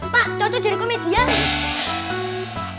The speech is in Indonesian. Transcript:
pak cocok jadi komedian